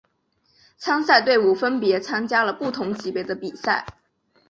参赛队伍分别参加了不同级别的比赛。